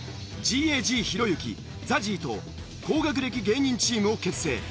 ＧＡＧひろゆきＺＡＺＹと高学歴芸人チームを結成。